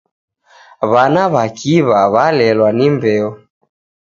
W'ana w'a kiw'a w'alelwa ni mbeo.